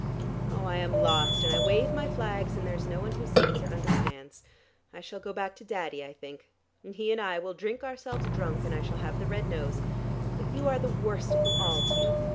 Oh, I am lost, and I wave my flags and there is no one who sees or understands. I shall go back to Daddy, I think, and he and I will drink ourselves drunk, and I shall have the red nose. But you are the worst of them all, Hugh!